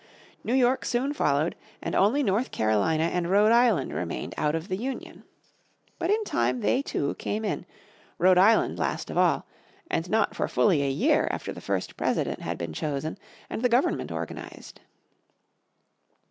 New York soon followed and only North Carolina and Rhode Island remained out of the Union. But in time they, too, came in, Rhode Island last of all, and not for fully a year after the first President had been chosen, and the government organised.